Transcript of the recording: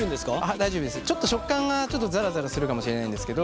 ちょっと食感がちょっとザラザラするかもしれないんですけど。